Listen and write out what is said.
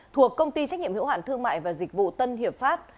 thuộc công ty trách nhiệm hiệu hạn thương mại và dịch vụ tân hiệp pháp